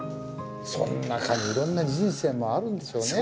その中にいろんな人生もあるんでしょうね